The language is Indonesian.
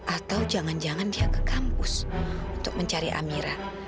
atau jangan jangan dia ke kampus untuk mencari amira